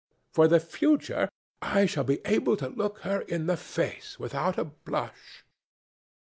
For the future I shall be able to look her in the face without a blush."